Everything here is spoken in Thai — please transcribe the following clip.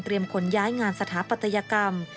เตรียมขนย้ายงานสถาปัตยกรรม